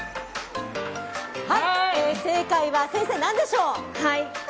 正解は、先生、何でしょう。